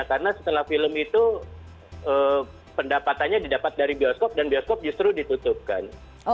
karena setelah film itu pendapatannya didapat dari bioskop dan bioskop justru ditutupkan